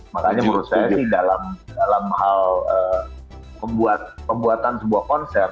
makanya menurut saya ini dalam hal pembuatan sebuah konser